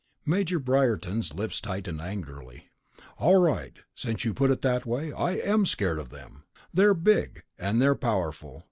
Major Briarton's lips tightened angrily. "All right, since you put it that way ... I am scared of them. They're big, and they're powerful.